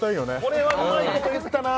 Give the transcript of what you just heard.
これはうまいこと言ったな